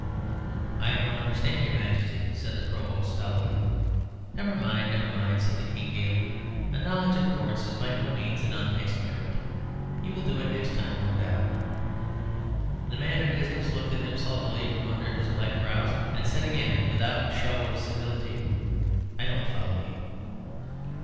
"I don't understand your Majesty," said the Provost, stolidly. "Never mind, never mind," said the King, gaily. "A knowledge of Courts is by no means an unmixed merit; you will do it next time, no doubt." The man of business looked at him sulkily from under his black brows and said again without show of civility "I don't follow you."